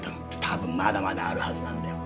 多分まだまだあるはずなんだよ。